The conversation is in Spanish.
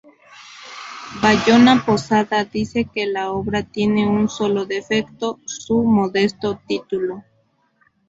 Bayona Posada dice que la obra tiene un solo defecto: su modesto título.